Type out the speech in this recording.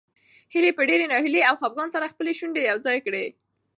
هیلې په ډېرې ناهیلۍ او خپګان سره خپلې شونډې یو ځای کړې.